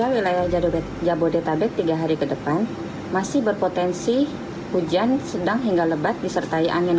wilayah jabodetabek tiga hari ke depan masih berpotensi hujan sedang hingga lebat disertai angin